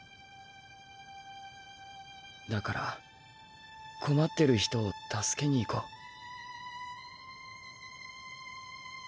だから困ってる人を助けに行こう。